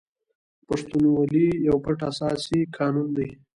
پښتونولي یو پټ اساسي قانون دی.